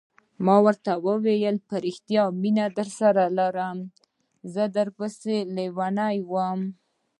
ما ورته وویل: په رښتیا مینه درسره لرم، زه در پسې لیونی وم.